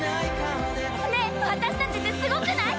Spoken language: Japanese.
ねえ私たちってすごくない？